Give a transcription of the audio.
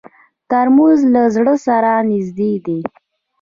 ترموز له زړه سره نږدې دی.